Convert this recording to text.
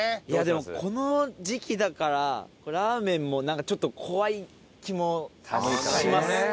いやでもこの時期だからラーメンもなんかちょっと怖い気もします。